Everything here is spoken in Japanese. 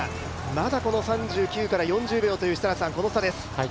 まだこの３９から４０秒というこの差です。